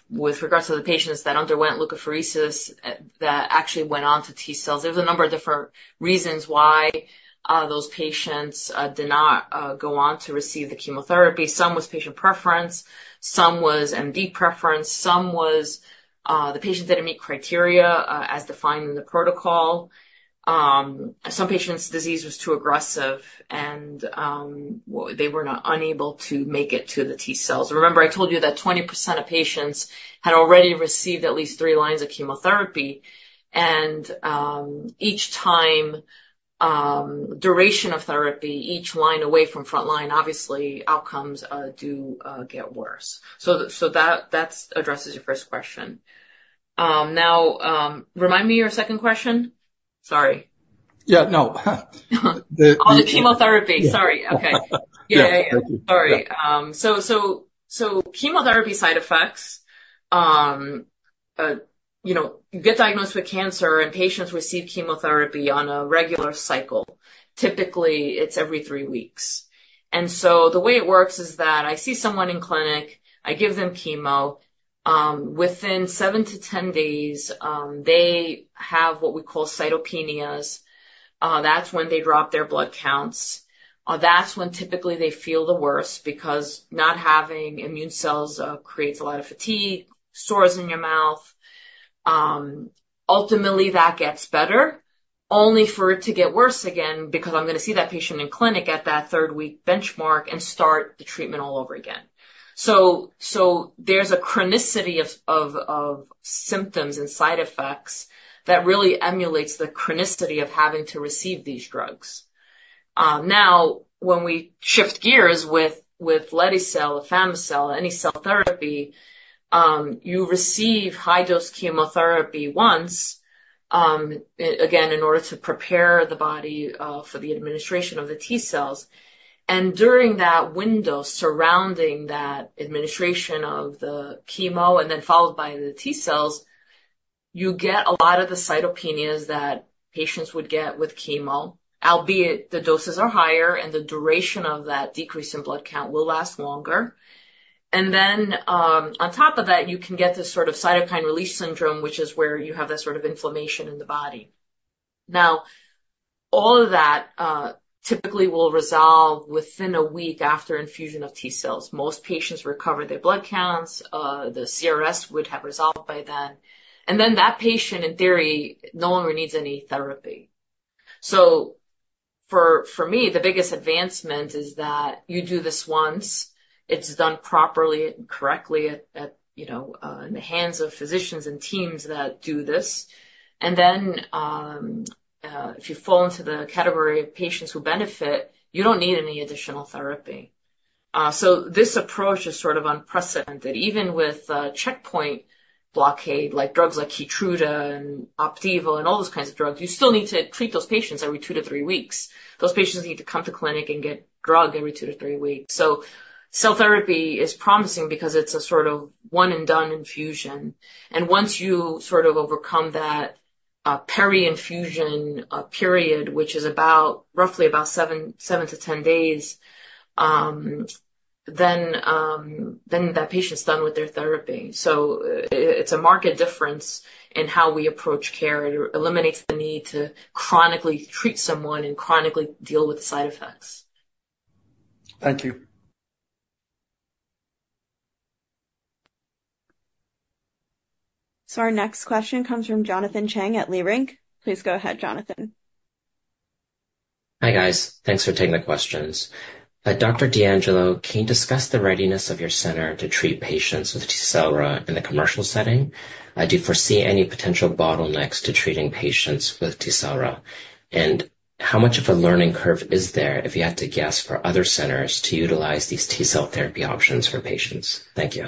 with regards to the patients that underwent leukapheresis that actually went on to T cells, there was a number of different reasons why those patients did not go on to receive the chemotherapy. Some was patient preference. Some was MD preference. Some was the patient didn't meet criteria as defined in the protocol. Some patients' disease was too aggressive, and they were unable to make it to the T cells. Remember, I told you that 20% of patients had already received at least three lines of chemotherapy, and each time, duration of therapy, each line away from front line, obviously, outcomes do get worse, so that addresses your first question. Now, remind me your second question. Sorry. Yeah, no. On the chemotherapy. Sorry. Okay. Yeah, yeah, yeah. Sorry. So chemotherapy side effects, you get diagnosed with cancer, and patients receive chemotherapy on a regular cycle. Typically, it's every three weeks. And so the way it works is that I see someone in clinic, I give them chemo. Within 7-10 days, they have what we call cytopenias. That's when they drop their blood counts. That's when typically they feel the worst because not having immune cells creates a lot of fatigue, sores in your mouth. Ultimately, that gets better, only for it to get worse again because I'm going to see that patient in clinic at that third-week benchmark and start the treatment all over again. So there's a chronicity of symptoms and side effects that really emulates the chronicity of having to receive these drugs. Now, when we shift gears with lete-cel, afami-cel, any cell therapy, you receive high-dose chemotherapy once, again, in order to prepare the body for the administration of the T cells. During that window surrounding that administration of the chemo and then followed by the T cells, you get a lot of the cytopenias that patients would get with chemo, albeit the doses are higher and the duration of that decrease in blood count will last longer. And then on top of that, you can get this sort of cytokine release syndrome, which is where you have that sort of inflammation in the body. Now, all of that typically will resolve within a week after infusion of T cells. Most patients recover their blood counts. The CRS would have resolved by then. And then that patient, in theory, no longer needs any therapy. So for me, the biggest advancement is that you do this once. It's done properly and correctly in the hands of physicians and teams that do this. And then if you fall into the category of patients who benefit, you don't need any additional therapy. So this approach is sort of unprecedented. Even with checkpoint blockade, like drugs like Keytruda and Opdivo and all those kinds of drugs, you still need to treat those patients every two to three weeks. Those patients need to come to clinic and get drug every two to three weeks. So cell therapy is promising because it's a sort of one-and-done infusion. And once you sort of overcome that peri-infusion period, which is roughly about 7 to 10 days, then that patient's done with their therapy. So it's a marked difference in how we approach care. It eliminates the need to chronically treat someone and chronically deal with the side effects. Thank you. So our next question comes from Jonathan Chang at Leerink. Please go ahead, Jonathan. Hi, guys. Thanks for taking the questions. Dr. D'Angelo, can you discuss the readiness of your center to treat patients with Tecelra in the commercial setting? Do you foresee any potential bottlenecks to treating patients with Tecelra? And how much of a learning curve is there, if you had to guess, for other centers to utilize these T-cell therapy options for patients? Thank you.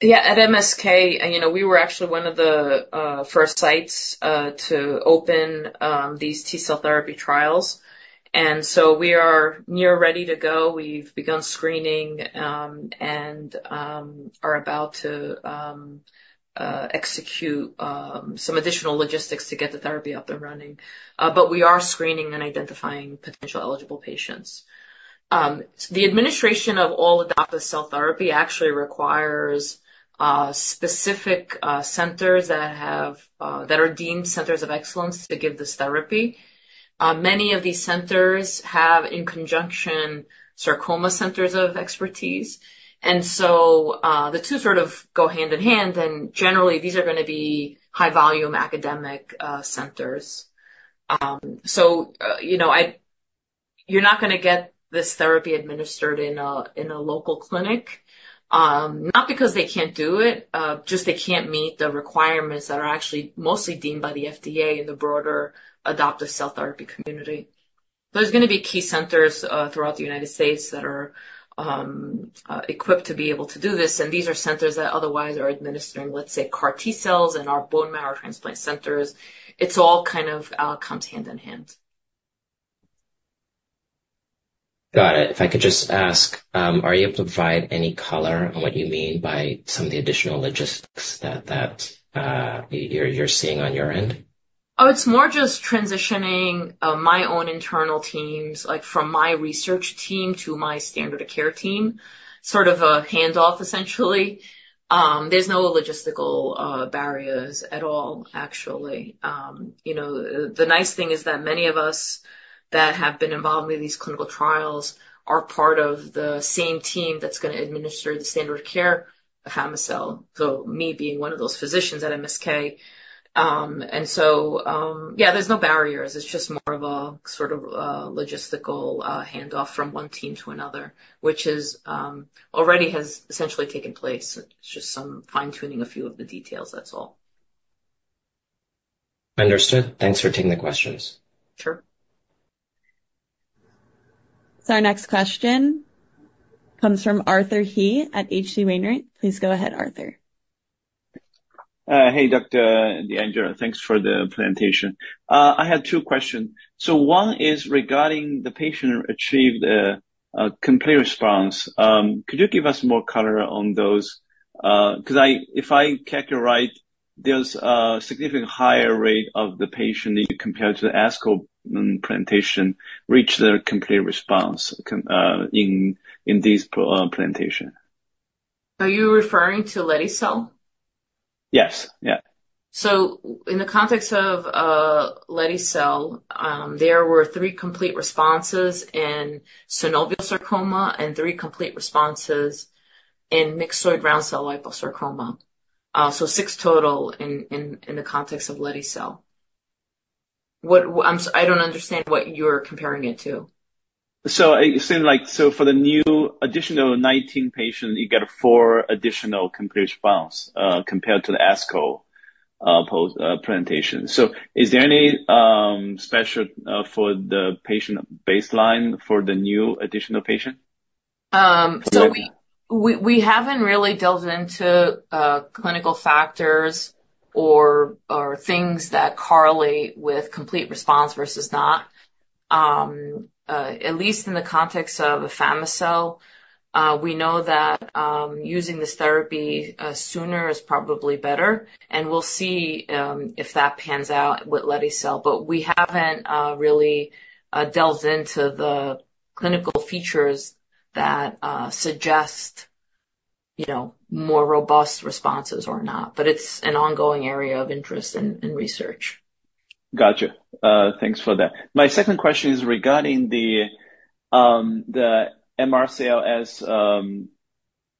Yeah, at MSK, we were actually one of the first sites to open these T-cell therapy trials. And so we are nearly ready to go. We've begun screening and are about to execute some additional logistics to get the therapy up and running. But we are screening and identifying potential eligible patients. The administration of all Adaptimmune cell therapy actually requires specific centers that are deemed centers of excellence to give this therapy. Many of these centers have, in conjunction, sarcoma centers of expertise. And so the two sort of go hand in hand. And generally, these are going to be high-volume academic centers. So you're not going to get this therapy administered in a local clinic, not because they can't do it, just they can't meet the requirements that are actually mostly deemed by the FDA and the broader adoptive cell therapy community. There's going to be key centers throughout the United States that are equipped to be able to do this. And these are centers that otherwise are administering, let's say, CAR T cells in our bone marrow transplant centers. It's all kind of comes hand in hand. Got it. If I could just ask, are you able to provide any color on what you mean by some of the additional logistics that you're seeing on your end? Oh, it's more just transitioning my own internal teams, like from my research team to my standard of care team, sort of a handoff, essentially. There's no logistical barriers at all, actually. The nice thing is that many of us that have been involved with these clinical trials are part of the same team that's going to administer the standard of care, afami-cel, so me being one of those physicians at MSK. And so, yeah, there's no barriers. It's just more of a sort of logistical handoff from one team to another, which already has essentially taken place. It's just some fine-tuning of a few of the details. That's all. Understood. Thanks for taking the questions. Sure. So our next question comes from Arthur He at H.C. Wainwright. Please go ahead, Arthur. Hey, Dr. D'Angelo. Thanks for the presentation. I had two questions. So one is regarding the patient achieved a complete response. Could you give us more color on those? Because if I calculate right, there's a significantly higher rate of the patient that you compare to the ASCO presentation reach their complete response in these presentations. Are you referring to lete-cel? Yes. Yeah. So in the context of lete-cel, there were three complete responses in synovial sarcoma and three complete responses in myxoid round cell liposarcoma. So six total in the context of lete-cel. I don't understand what you're comparing it to. So it seemed like so for the new additional 19 patients, you get four additional complete responses compared to the ASCO presentation. So is there any special for the patient baseline for the new additional patient? So we haven't really delved into clinical factors or things that correlate with complete response versus not. At least in the context of afami-cel, we know that using this therapy sooner is probably better. We'll see if that pans out with lete-cel. We haven't really delved into the clinical features that suggest more robust responses or not. It's an ongoing area of interest and research. Gotcha. Thanks for that. My second question is regarding the MRCLS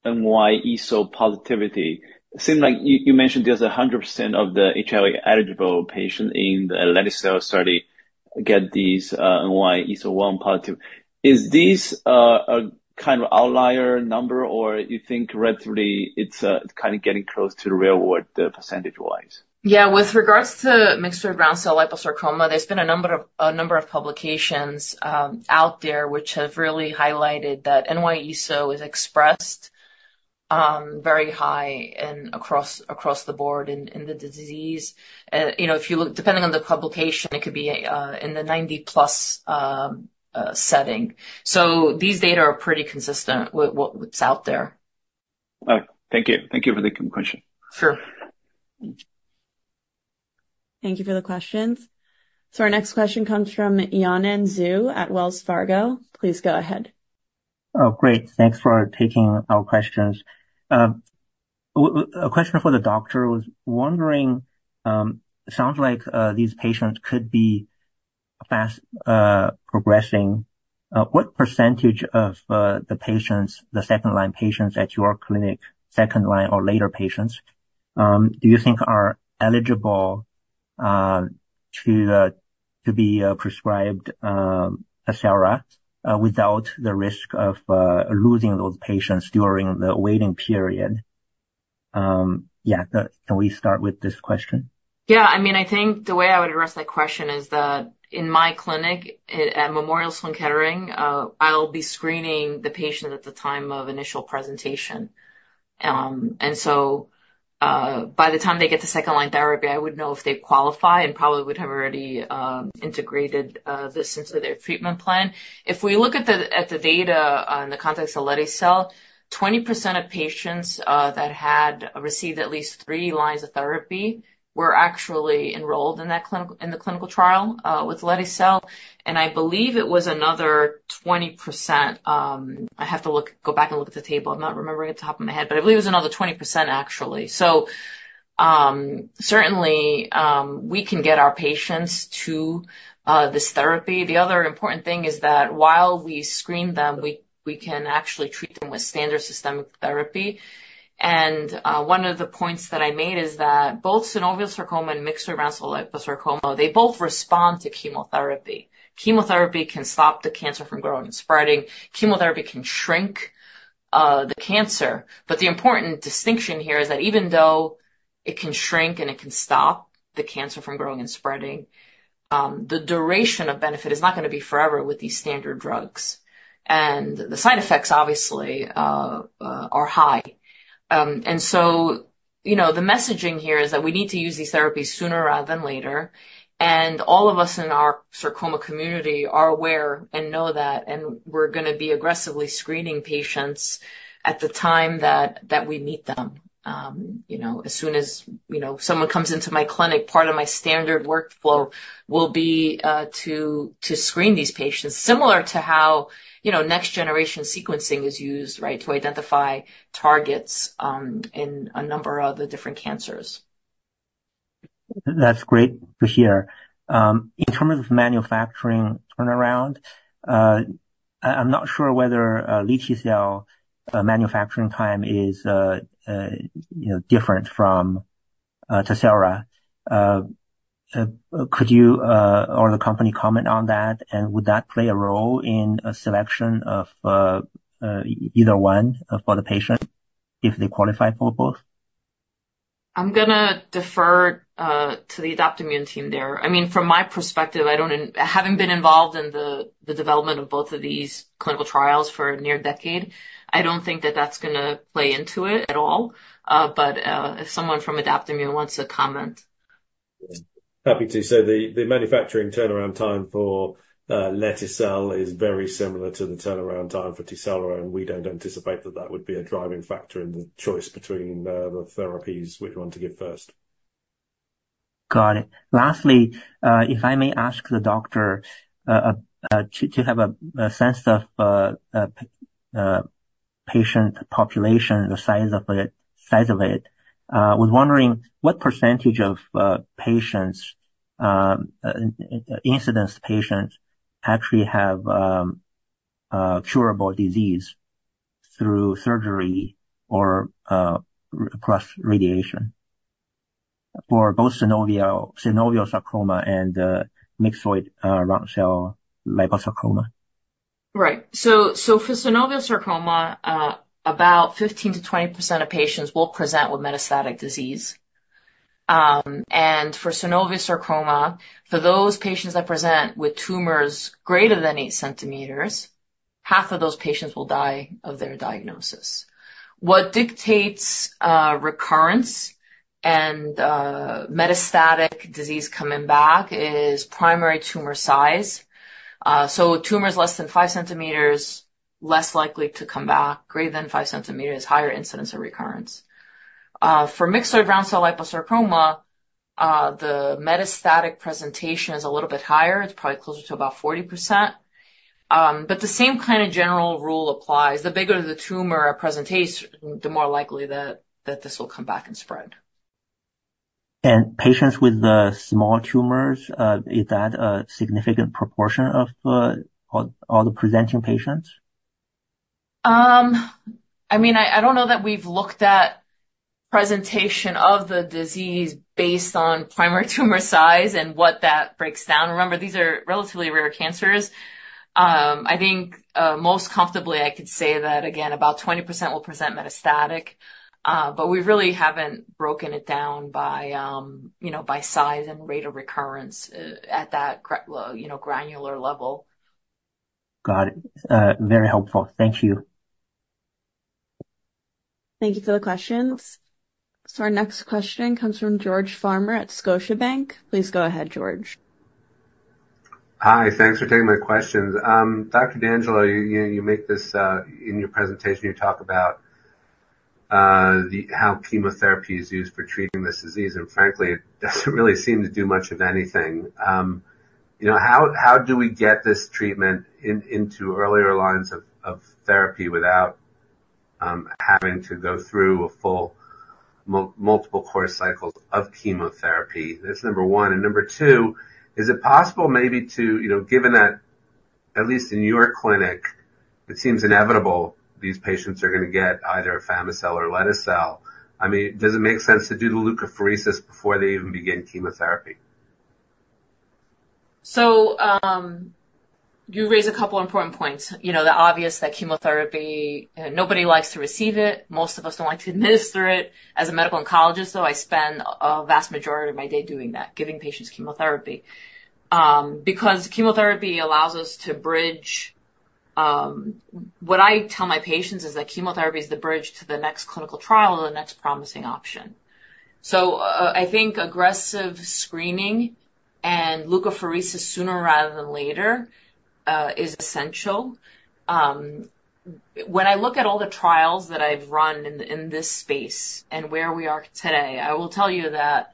NY-ESO positivity. It seemed like you mentioned there's 100% of the HLA-eligible patients in the lete-cel study get these NY-ESO-1 positive. Is this a kind of outlier number, or you think relatively it's kind of getting close to the real world percentage-wise? Yeah, with regards to myxoid round cell liposarcoma, there's been a number of publications out there which have really highlighted that NY-ESO is expressed very high and across the board in the disease. If you look, depending on the publication, it could be in the 90-plus% setting. So these data are pretty consistent with what's out there. Thank you. Thank you for the question. Sure. Thank you for the questions. So our next question comes from Yanan Zhu at Wells Fargo. Please go ahead. Oh, great. Thanks for taking our questions. A question for the doctor was wondering, it sounds like these patients could be fast progressing. What percentage of the patients, the second-line patients at your clinic, second-line or later patients, do you think are eligible to be prescribed Tecelra without the risk of losing those patients during the waiting period? Yeah, can we start with this question? Yeah. I mean, I think the way I would address that question is that in my clinic at Memorial Sloan Kettering, I'll be screening the patients at the time of initial presentation, and so by the time they get to second-line therapy, I would know if they qualify and probably would have already integrated this into their treatment plan. If we look at the data in the context of lete-cel, 20% of patients that had received at least three lines of therapy were actually enrolled in the clinical trial with lete-cel, and I believe it was another 20%. I have to go back and look at the table. I'm not remembering it off the top of my head, but I believe it was another 20%, actually, so certainly, we can get our patients to this therapy. The other important thing is that while we screen them, we can actually treat them with standard systemic therapy, and one of the points that I made is that both synovial sarcoma and myxoid round cell liposarcoma, they both respond to chemotherapy. Chemotherapy can stop the cancer from growing and spreading. Chemotherapy can shrink the cancer. But the important distinction here is that even though it can shrink and it can stop the cancer from growing and spreading, the duration of benefit is not going to be forever with these standard drugs, and the side effects, obviously, are high. And so the messaging here is that we need to use these therapies sooner rather than later, and all of us in our sarcoma community are aware and know that. And we're going to be aggressively screening patients at the time that we meet them. As soon as someone comes into my clinic, part of my standard workflow will be to screen these patients, similar to how next-generation sequencing is used, right, to identify targets in a number of the different cancers. That's great to hear. In terms of manufacturing turnaround, I'm not sure whether lete-cel manufacturing time is different from Tecelra. Could you or the company comment on that? And would that play a role in a selection of either one for the patient if they qualify for both? I'm going to defer to the Adaptimmune team there. I mean, from my perspective, I haven't been involved in the development of both of these clinical trials for a near decade. I don't think that that's going to play into it at all. But if someone from Adaptimmune wants to comment. Happy to. So the manufacturing turnaround time for lete-cel is very similar to the turnaround time for Tecelra. And we don't anticipate that that would be a driving factor in the choice between the therapies we want to give first. Got it. Lastly, if I may ask the doctor to have a sense of patient population, the size of it, I was wondering what percentage of patients, incident patients, actually have curable disease through surgery or plus radiation for both synovial sarcoma and myxoid round cell liposarcoma? Right, so for synovial sarcoma, about 15%-20% of patients will present with metastatic disease, and for synovial sarcoma, for those patients that present with tumors greater than 8 cm, half of those patients will die of their diagnosis. What dictates recurrence and metastatic disease coming back is primary tumor size, so tumors less than 5 cm, less likely to come back. Greater than 5 cm, higher incidence of recurrence. For myxoid round cell liposarcoma, the metastatic presentation is a little bit higher. It's probably closer to about 40%, but the same kind of general rule applies. The bigger the tumor presentation, the more likely that this will come back and spread. And patients with the small tumors, is that a significant proportion of all the presenting patients? I mean, I don't know that we've looked at presentation of the disease based on primary tumor size and what that breaks down. Remember, these are relatively rare cancers. I think most comfortably, I could say that, again, about 20% will present metastatic. But we really haven't broken it down by size and rate of recurrence at that granular level. Got it. Very helpful. Thank you. Thank you for the questions. So our next question comes from George Farmer at Scotiabank. Please go ahead, George. Hi. Thanks for taking my questions. Dr. D'Angelo, you make this in your presentation, you talk about how chemotherapy is used for treating this disease. Frankly, it doesn't really seem to do much of anything. How do we get this treatment into earlier lines of therapy without having to go through a full multiple course cycle of chemotherapy? That's number one. Number two, is it possible maybe to, given that at least in your clinic, it seems inevitable these patients are going to get either afami-cel or lete-cel? I mean, does it make sense to do the leukapheresis before they even begin chemotherapy? You raise a couple of important points. The obvious that chemotherapy, nobody likes to receive it. Most of us don't like to administer it. As a medical oncologist, though, I spend a vast majority of my day doing that, giving patients chemotherapy. Because chemotherapy allows us to bridge what I tell my patients is that chemotherapy is the bridge to the next clinical trial or the next promising option. So I think aggressive screening and leukapheresis sooner rather than later is essential. When I look at all the trials that I've run in this space and where we are today, I will tell you that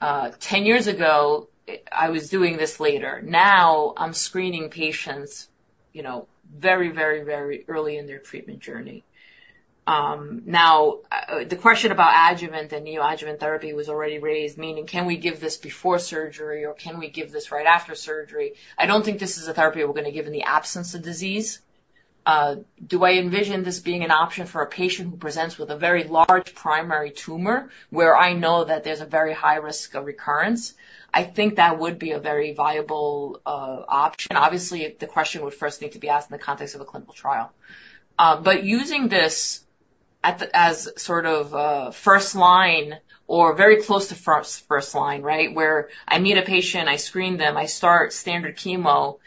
10 years ago, I was doing this later. Now, I'm screening patients very, very, very early in their treatment journey. Now, the question about adjuvant and neoadjuvant therapy was already raised, meaning can we give this before surgery or can we give this right after surgery? I don't think this is a therapy we're going to give in the absence of disease. Do I envision this being an option for a patient who presents with a very large primary tumor where I know that there's a very high risk of recurrence? I think that would be a very viable option. Obviously, the question would first need to be asked in the context of a clinical trial. But using this as sort of first line or very close to first line, right, where I meet a patient, I screen them, I start standard chemo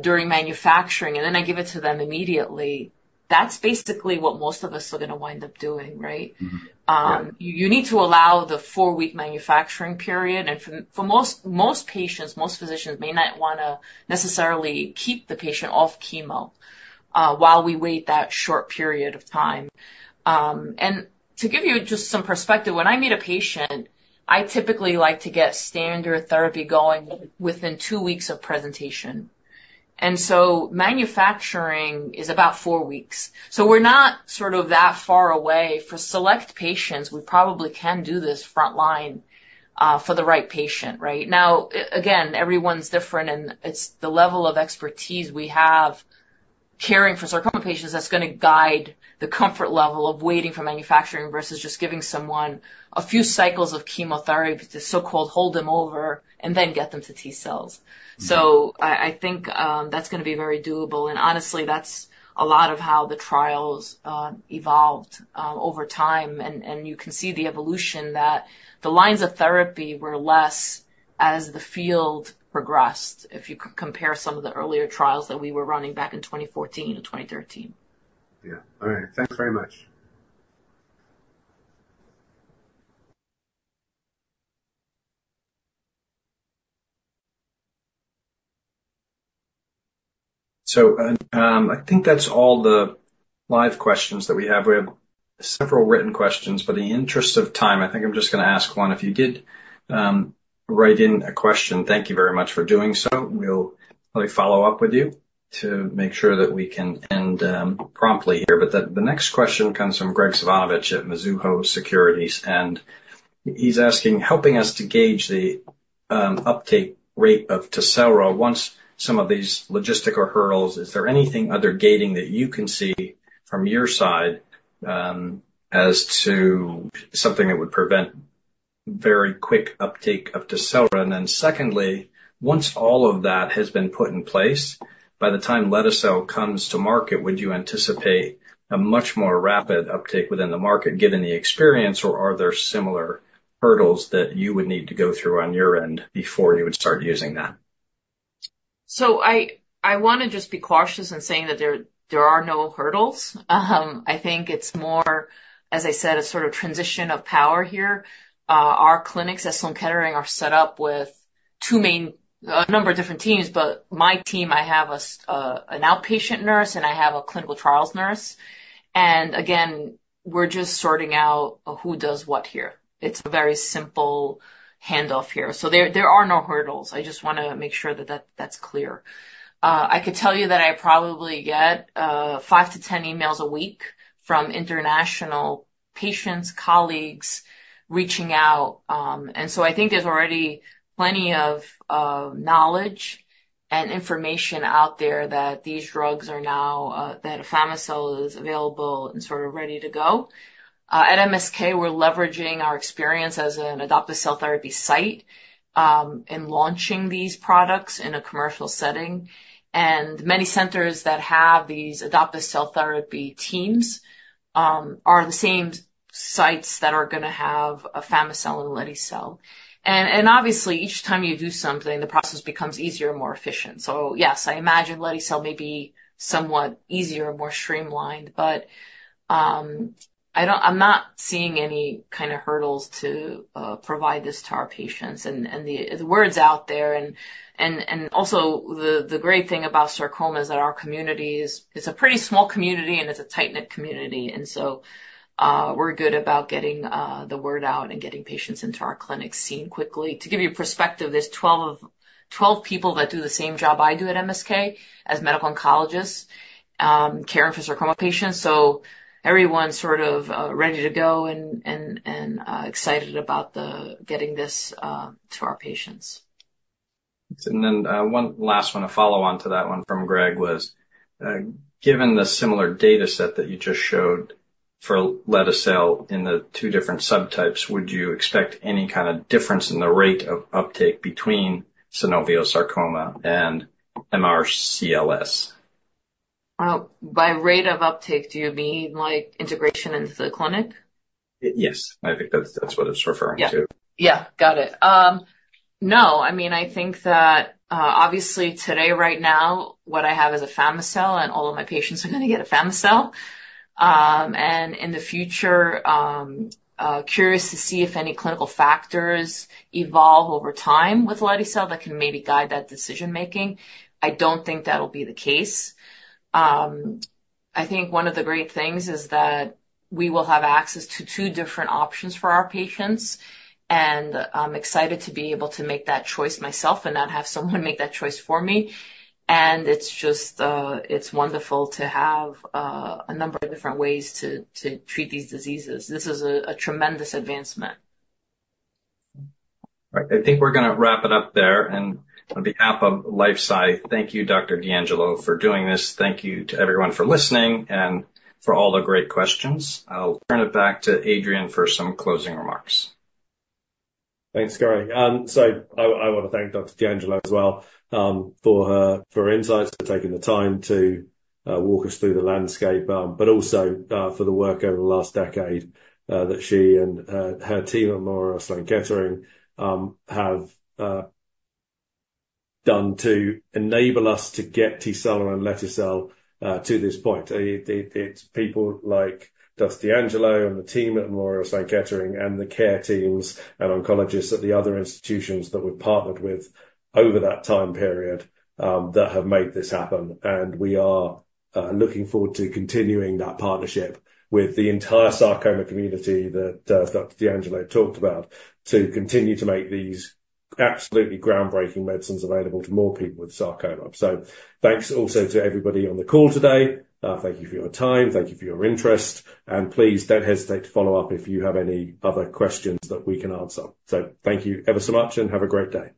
during manufacturing, and then I give it to them immediately, that's basically what most of us are going to wind up doing, right? You need to allow the four-week manufacturing period. And for most patients, most physicians may not want to necessarily keep the patient off chemo while we wait that short period of time. And to give you just some perspective, when I meet a patient, I typically like to get standard therapy going within two weeks of presentation. And so manufacturing is about four weeks. So we're not sort of that far away. For select patients, we probably can do this front line for the right patient, right? Now, again, everyone's different. And it's the level of expertise we have caring for sarcoma patients that's going to guide the comfort level of waiting for manufacturing versus just giving someone a few cycles of chemotherapy to so-called hold them over and then get them to T-cells. So I think that's going to be very doable. And honestly, that's a lot of how the trials evolved over time. And you can see the evolution that the lines of therapy were less as the field progressed if you compare some of the earlier trials that we were running back in 2014 or 2013. Yeah. All right. Thanks very much. So I think that's all the live questions that we have. We have several written questions. But in the interest of time, I think I'm just going to ask one. If you did write in a question, thank you very much for doing so. We'll probably follow up with you to make sure that we can end promptly here. But the next question comes from Graig Suvannavejh at Mizuho Securities. And he's asking, helping us to gauge the uptake rate of Tecelra once some of these logistical hurdles, is there anything other gating that you can see from your side as to something that would prevent very quick uptake of Tecelra? And then secondly, once all of that has been put in place, by the time lete-cel comes to market, would you anticipate a much more rapid uptake within the market given the experience, or are there similar hurdles that you would need to go through on your end before you would start using that? So I want to just be cautious in saying that there are no hurdles. I think it's more, as I said, a sort of transition of power here. Our clinics at Sloan Kettering are set up with a number of different teams. But my team, I have an outpatient nurse, and I have a clinical trials nurse. And again, we're just sorting out who does what here. It's a very simple handoff here. So there are no hurdles. I just want to make sure that that's clear. I could tell you that I probably get five to 10 emails a week from international patients, colleagues reaching out. And so I think there's already plenty of knowledge and information out there that these drugs are now that afami-cel is available and sort of ready to go. At MSK, we're leveraging our experience as an adoptive cell therapy site in launching these products in a commercial setting, and many centers that have these adoptive cell therapy teams are the same sites that are going to have afami-cel and lete-cel. Obviously, each time you do something, the process becomes easier and more efficient, so yes, I imagine lete-cel may be somewhat easier and more streamlined. But I'm not seeing any kind of hurdles to provide this to our patients, and the word's out there. Also, the great thing about sarcoma is that our community is a pretty small community, and it's a tight-knit community, so we're good about getting the word out and getting patients into our clinics seen quickly. To give you perspective, there's 12 people that do the same job I do at MSK as medical oncologists caring for sarcoma patients. Everyone's sort of ready to go and excited about getting this to our patients. And then one last one, a follow-on to that one from Graig was, given the similar dataset that you just showed for lete-cel in the two different subtypes, would you expect any kind of difference in the rate of uptake between synovial sarcoma and MRCLS? By rate of uptake, do you mean like integration into the clinic? Yes. I think that's what it's referring to. Yeah. Yeah. Got it. No. I mean, I think that obviously today, right now, what I have is afami-cel, and all of my patients are going to get afami-cel. And in the future, curious to see if any clinical factors evolve over time with lete-cel that can maybe guide that decision-making. I don't think that'll be the case. I think one of the great things is that we will have access to two different options for our patients. And I'm excited to be able to make that choice myself and not have someone make that choice for me. And it's wonderful to have a number of different ways to treat these diseases. This is a tremendous advancement. All right. I think we're going to wrap it up there. And on behalf of LifeSci, thank you, Dr. D'Angelo, for doing this. Thank you to everyone for listening and for all the great questions. I'll turn it back to Adrian for some closing remarks. Thanks, Garry. So I want to thank Dr. D'Angelo as well for her insights, for taking the time to walk us through the landscape, but also for the work over the last decade that she and her team at Memorial Sloan Kettering have done to enable us to get Tecelra and lete-cel to this point. It's people like Dr. D'Angelo and the team at Memorial Sloan Kettering and the care teams and oncologists at the other institutions that we've partnered with over that time period that have made this happen. We are looking forward to continuing that partnership with the entire sarcoma community that Dr. D'Angelo talked about to continue to make these absolutely groundbreaking medicines available to more people with sarcoma. Thanks also to everybody on the call today. Thank you for your time. Thank you for your interest. And please don't hesitate to follow up if you have any other questions that we can answer. So thank you ever so much and have a great day.